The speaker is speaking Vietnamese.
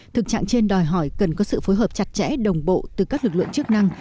thực trạng trên đòi hỏi cần có sự phối hợp chặt chẽ đồng bộ từ các lực lượng chức năng